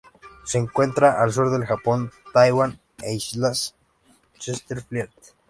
Se encuentra al sur del Japón, Taiwán e Islas Chesterfield.